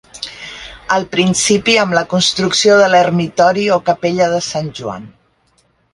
Al principi amb la construcció de l'ermitori o capella de Sant Joan.